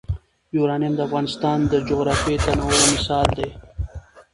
یورانیم د افغانستان د جغرافیوي تنوع مثال دی.